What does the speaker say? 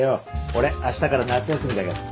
俺明日から夏休みだから。